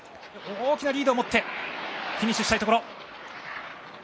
大きなリードを持ってフィニッシュしたいところ。